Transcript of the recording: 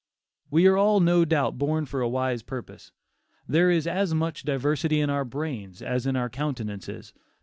We are all, no doubt, born for a wise purpose. There is as much diversity in our brains as in our countenances.